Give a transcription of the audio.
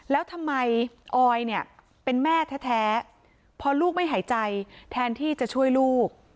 แล้วทำไมออยเนี่ยเป็นแม่แท้พอลูกไม่หายใจแทนที่จะช่วยลูก